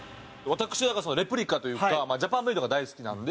私レプリカというかジャパンメイドが大好きなので。